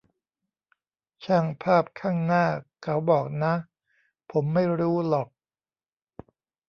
ช่างภาพข้างหน้าเขาบอกนะ ผมไม่รู้หรอก